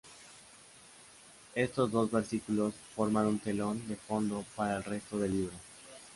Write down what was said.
Estos dos versículos forman un telón de fondo para el resto del libro.